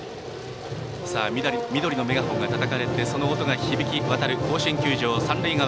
緑のメガホンがたたかれてその音が響き渡る甲子園球場三塁側。